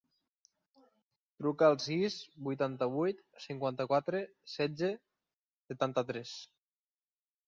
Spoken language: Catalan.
Truca al sis, vuitanta-vuit, cinquanta-quatre, setze, setanta-tres.